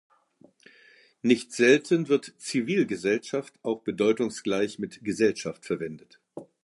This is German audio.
Nicht selten wird „Zivilgesellschaft“ auch bedeutungsgleich mit Gesellschaft verwendet.